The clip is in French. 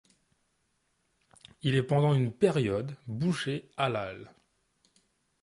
Il est pendant une période boucher halal.